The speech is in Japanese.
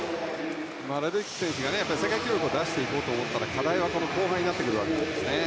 レデッキー選手が世界記録を出していこうと思ったら課題は後半になってくるわけですね。